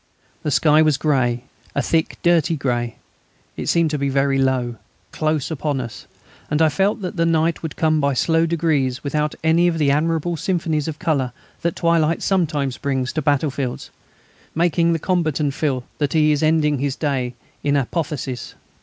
The sky was grey a thick, dirty grey; it seemed to be very low, close upon us, and I felt that the night would come by slow degrees without any of those admirable symphonies of colour that twilight sometimes brings to battlefields, making the combatant feel that he is ending his day in apotheosis.